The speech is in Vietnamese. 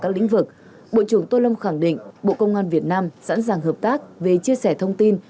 các lĩnh vực bộ trưởng tô lâm khẳng định bộ công an việt nam sẵn sàng hợp tác về chia sẻ thông tin